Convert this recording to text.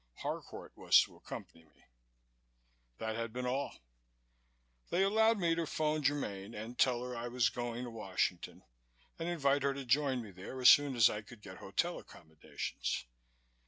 Harcourt was to accompany me. That had been all. They allowed me to phone Germaine and tell her I was going to Washington and invite her to join me there as soon as I could get hotel accommodations.